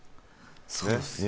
そうっすね